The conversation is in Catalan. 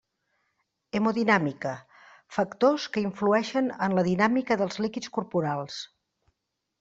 Hemodinàmica: factors que influïxen en la dinàmica dels líquids corporals.